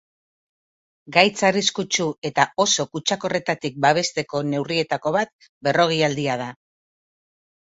Gaitz arriskutsu eta oso kutsakorretatik babesteko neurrietako bat berrogeialdia da.